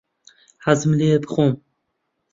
حەزم لێیە بخۆم.